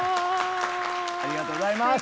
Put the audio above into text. ありがとうございます。